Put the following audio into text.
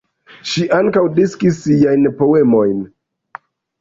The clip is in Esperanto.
Ŝi ankaŭ diskis siajn poemojn.